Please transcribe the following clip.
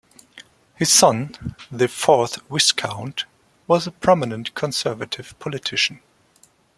His son, the fourth Viscount, was a prominent Conservative politician.